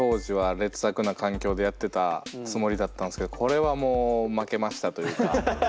劣悪な環境でやってたつもりだったんですけどこれはもう負けましたというか。